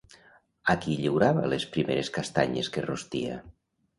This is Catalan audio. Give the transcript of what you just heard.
A qui lliurava les primeres castanyes que rostia?